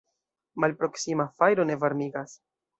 Malproksima fajro ne varmigas.